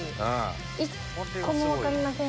１個も分かりません。